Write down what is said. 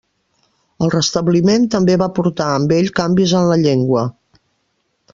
El restabliment també va portar amb ell canvis en la llengua.